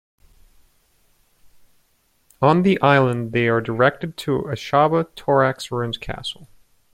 On the island, they are directed to Ashaba, Torak's ruined castle.